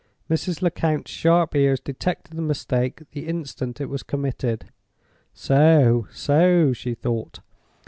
Mrs. Lecount's sharp ears detected the mistake the instant it was committed. "So! so!" she thought.